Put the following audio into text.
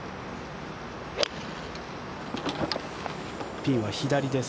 ピンは左です。